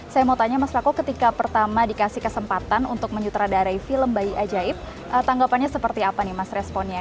saya mau tanya mas rako ketika pertama dikasih kesempatan untuk menyutradarai film bayi ajaib tanggapannya seperti apa nih mas responnya